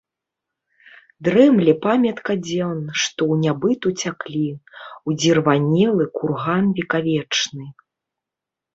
Дрэмле памятка дзен, што ў нябыт уцяклі, — ўдзірванелы курган векавечны.